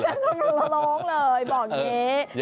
เลย